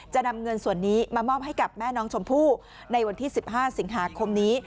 จะนำเงินส่วนนี้มามอบให้กับแม่น้องชมพู่ในวันที่๑๕สิงหาคมนี้